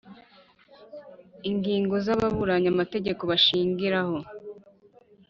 Ingingo z ababuranyi amategeko bashingiraho